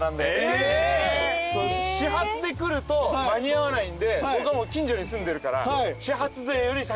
始発で来ると間に合わないんで僕はもう近所に住んでるから始発勢より先に並ぶ。